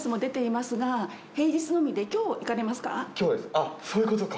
あっそういうことか。